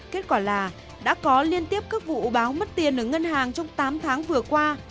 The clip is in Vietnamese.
kết quả là đã có liên tiếp các vụ báo mất tiền ở ngân hàng trong tám tháng vừa qua